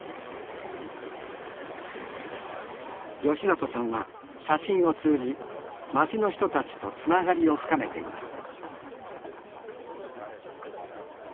里さんは写真を通じ町の人たちとつながりを深めています